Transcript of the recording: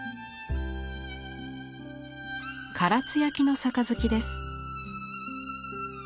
唐津焼の盃です。